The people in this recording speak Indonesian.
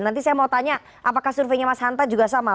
nanti saya mau tanya apakah surveinya mas hanta juga sama